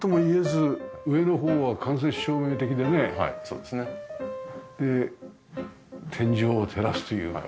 で天井を照らすという。